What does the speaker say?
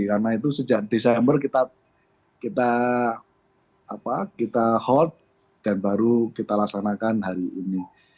karena itu sejak desember kita hold dan baru kita laksanakan hari ini